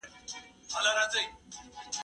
زه مخکې درس لوستی و،